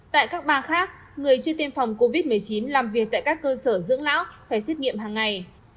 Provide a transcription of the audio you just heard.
tại các bang khác người chưa tiêm phòng covid một mươi chín làm việc tại các cơ sở dưỡng lão phải xét nghiệm hàng ngày